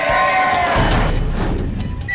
อ่าเย้